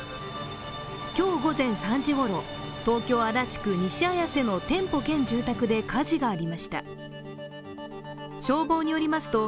今日午前３時ごろ東京・足立区西綾瀬の店舗兼住宅で火事がありました。